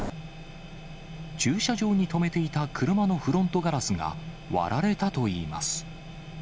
駐車場に止めていた車のフロントガラスが割られたといいます。